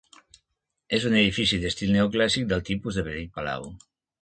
És un edifici d'estil neoclàssic del tipus de petit palau.